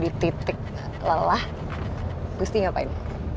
di titik lelah gusti ngapain